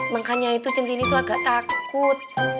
makanya itu centini itu agak takut